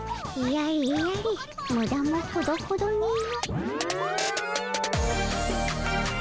やれやれムダもほどほどにの。